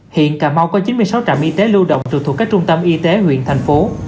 hiện cà mau có chín mươi sáu trạm y tế lưu động trực thuộc các trung tâm y tế huyện thành phố